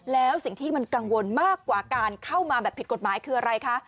แล้วสิ่งที่มันกังวลมากกว่าการเข้ามาแบบผิดกฎหมายคืออะไรคะ